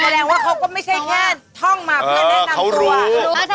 แสดงว่าเขาก็ไม่ใช่แค่ท่องมาเพื่อแนะนำตัว